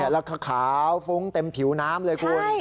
แล้วก็ขาวฟุ้งเต็มผิวน้ำเลยคุณ